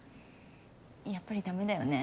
やっぱりだめだよね？